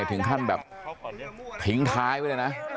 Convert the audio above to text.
ถึงขั้นแบบทิ้งท้ายไว้เลยนะ